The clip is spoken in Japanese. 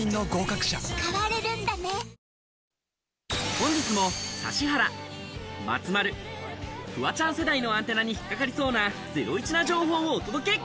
本日も指原、松丸、フワちゃん世代のアンテナに引っ掛かりそうなゼロイチな情報をお届け！